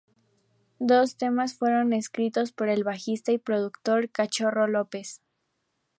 Dos temas fueron escritos por el bajista y productor Cachorro López.